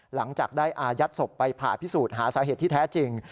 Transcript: หลังจากได้อายัดศพไปผ่าพิสูจน์หาสาเหตุที่แท้จริง